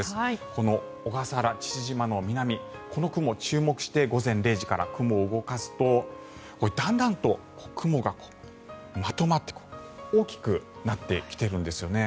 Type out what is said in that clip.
この小笠原、父島の南この雲、注目して午前０時から雲を動かすとだんだんと雲がまとまって大きくなってきているんですね。